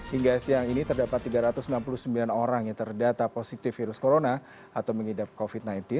hingga siang ini terdapat tiga ratus enam puluh sembilan orang yang terdata positif virus corona atau mengidap covid sembilan belas